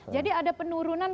jadi ada penurunan